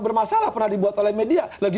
bermasalah pernah dibuat oleh media lagi